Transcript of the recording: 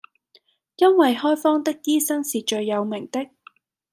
因爲開方的醫生是最有名的，